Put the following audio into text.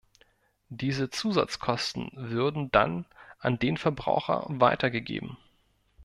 Diese Zusatzkosten würden dann an den Verbraucher weitergegeben.